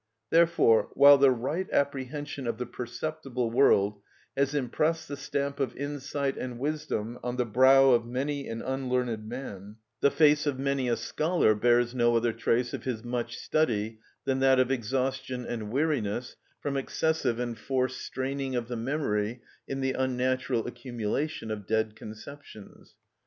Therefore, while the right apprehension of the perceptible world has impressed the stamp of insight and wisdom on the brow of many an unlearned man, the face of many a scholar bears no other trace of his much study than that of exhaustion and weariness from excessive and forced straining of the memory in the unnatural accumulation of dead conceptions.